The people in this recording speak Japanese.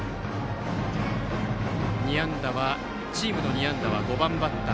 チームの２安打は５番バッター